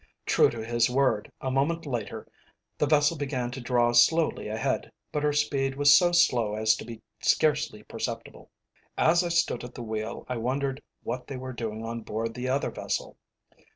True to his word, a moment later the vessel began to draw slowly ahead, but her speed was so slow as to be scarcely perceptible. As I stood at the wheel I wondered what they were doing on board the other vessel.